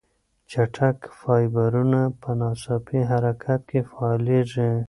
چټک فایبرونه په ناڅاپي حرکت کې فعالېږي.